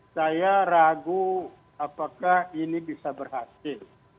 saya ragu apakah ini bisa berhasil